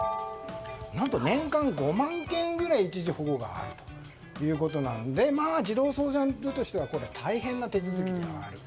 何と年間５万件ぐらい一時保護があるということで児童相談所としては大変な手続きになる。